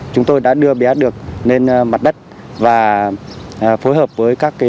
chúng tôi đã đưa bé lên mặt đất và phối hợp với các cơ quan